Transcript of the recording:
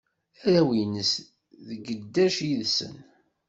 Arraw-ines di geddac yid-sen.